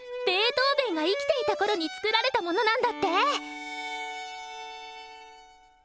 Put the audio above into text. トーヴェンが生きていたころに作られたものなんだって！